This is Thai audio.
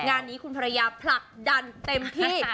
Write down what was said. งานนี้คุณภรรยาผลักดันเต็มที่